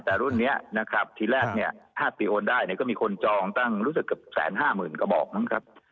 แต่รุ่นนี้นะครับทีแรกเนี่ย๕ปีโอนได้เนี่ยก็มีคนจองตั้งรู้สึกเกือบ๑๕๐๐๐กระบอกมั้งครับ